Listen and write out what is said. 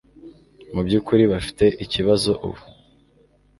Mubyukuri bafite ikibazo ubu